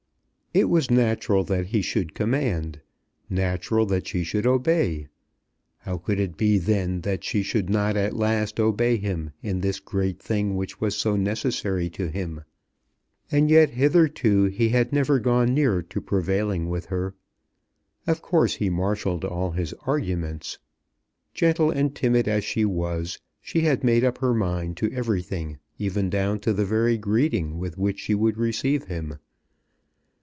It was natural that he should command, natural that she should obey. How could it be then that she should not at last obey him in this great thing which was so necessary to him? And yet hitherto he had never gone near to prevailing with her. Of course he marshalled all his arguments. Gentle and timid as she was, she had made up her mind to everything, even down to the very greeting with which she would receive him.